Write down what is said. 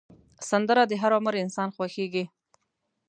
سندره د هر عمر انسان خوښېږي